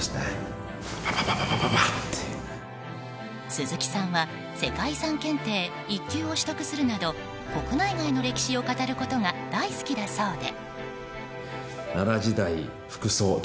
鈴木さんは世界遺産検定１級を取得するなど国内外の歴史を語ることが大好きだそうで。